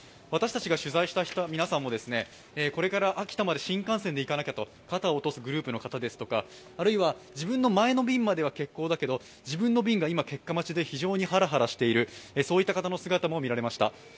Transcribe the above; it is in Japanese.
私たちが取材した皆さんもこれから秋田まで新幹線で行かなきゃと肩を落とすグループの方ですとかあるいは自分の前の便までは欠航だけど自分の便が今、結果待ちでハラハラしているという人もいました。